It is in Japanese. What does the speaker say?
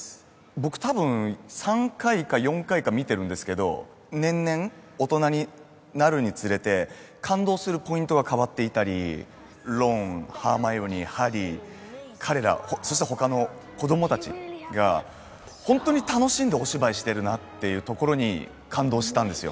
僕多分３回か４回か見てるんですけど年々大人になるにつれて感動するポイントが変わっていたりロンハーマイオニーハリー彼らそしてほかの子供たちが本当に楽しんでお芝居してるなっていうところに感動したんですよ